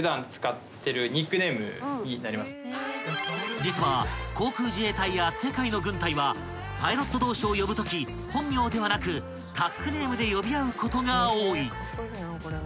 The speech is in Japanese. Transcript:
［実は航空自衛隊や世界の軍隊はパイロット同士を呼ぶとき本名ではなくタックネームで呼び合うことが多い］